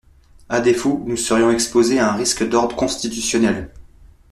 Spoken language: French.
À défaut, nous serions exposés à un risque d’ordre constitutionnel.